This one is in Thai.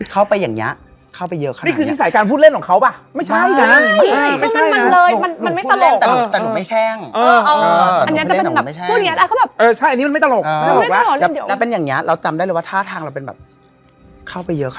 คนในกระจกก็แบบ